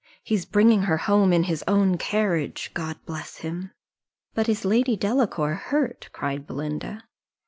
He's bringing her home in his own carriage, God bless him!" "But is Lady Delacour hurt?" cried Belinda.